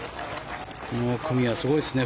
この組はすごいですね。